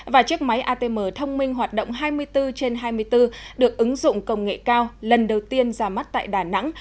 và chiếc máy atm thông minh hoạt động hai mươi bốn trên hai mươi bốn được ứng dụng công nghệ cao lần đầu tiên ra mắt tại đà nẵng